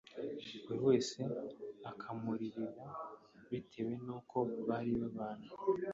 buri wese akamuririra bitewe n’uko bari babanye